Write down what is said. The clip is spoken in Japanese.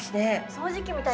掃除機みたい。